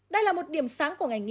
đây là một điểm sáng của ngành y